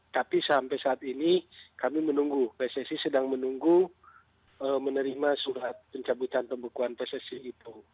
tapi sampai saat ini kami menunggu pssi sedang menunggu menerima surat pencabutan pembekuan pssi itu